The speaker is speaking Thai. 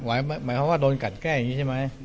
หมายความว่าโดนกัดแก้อย่างนี้ใช่ไหม